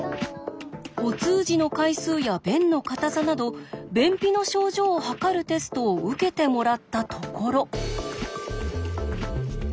お通じの回数や便の硬さなど便秘の症状をはかるテストを受けてもらったところ。